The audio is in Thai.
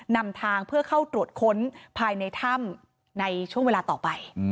นำทางเพื่อเข้าตรวจค้นภายในถ้ำในช่วงเวลาต่อไป